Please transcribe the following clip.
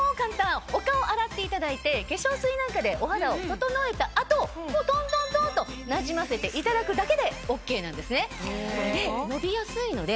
お顔洗っていただいて化粧水なんかでお肌を整えた後トントントンとなじませていただくだけでＯＫなんですね。